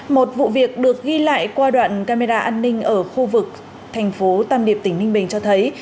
một vụ việc được ghi lại qua đoạn camera an ninh ở khu vực thành phố tam điệp tỉnh ninh bình cho thấy